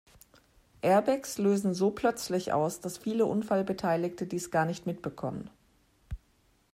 Airbags lösen so plötzlich aus, dass viele Unfallbeteiligte dies gar nicht mitbekommen.